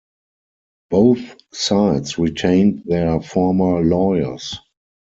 Both sides retained their former lawyers.